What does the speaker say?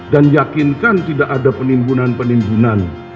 dan yakinkan tidak ada penimbunan penimbunan